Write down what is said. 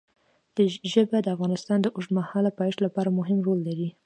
ژبې د افغانستان د اوږدمهاله پایښت لپاره مهم رول لري.